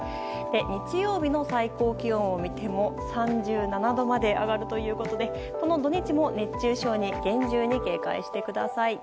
日曜日の最高気温を見ても３７度まで上がるということでこの土日も熱中症に厳重に警戒してください。